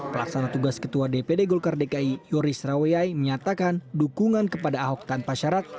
pelaksana tugas ketua dpd golkar dki yoris rawayai menyatakan dukungan kepada ahok tanpa syarat